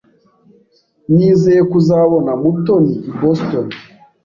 Nizeye kuzabona Mutoni i Boston.